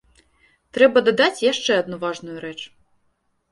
Трэба дадаць яшчэ адну важную рэч.